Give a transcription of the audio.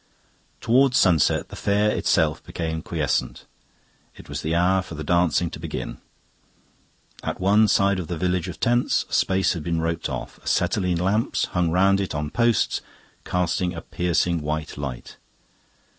Towards sunset the fair itself became quiescent. It was the hour for the dancing to begin. At one side of the village of tents a space had been roped off. Acetylene lamps, hung round it on posts, cast a piercing white light.